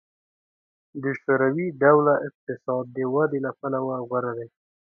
د شوروي ډوله اقتصاد د ودې له پلوه غوره دی